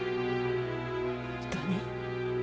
本当に？